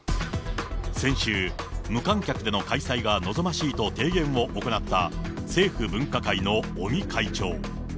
先週、無観客での開催が望ましいと提言を行った、政府分科会の尾身会長。